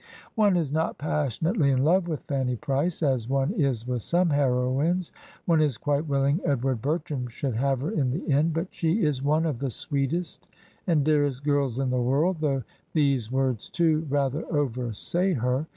One is not passionately in love with Fanny Price, as one is with some heroines; one is quite willing Edward Bertram should have her in the end; but she is one of the sweetest and dearest girls in the world, though these words, too, rather oversay her.